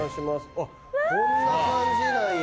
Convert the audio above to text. こんな感じなんや。